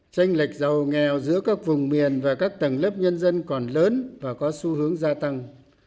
tranh lệch giàu nghèo giữa các vùng miền và các tầng lớp nhân dân còn lớn và có xu hướng gia tăng